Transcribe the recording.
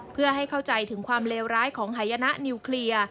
เพื่อให้เข้าใจถึงความเลวร้ายของหายนะนิวเคลียร์